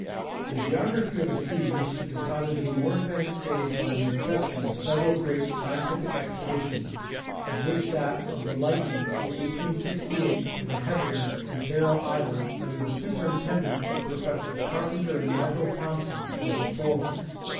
The Geography of the Sea reached a decidedly more advanced stage by the inception of several great scientific expeditions, of which that of the Lightning, in 1868, to the Hebrides and Faroe Islands, under the superintendence of Professors Carpenter and Wyville Thompson, was the forerunner.